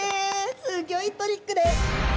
すギョいトリックです。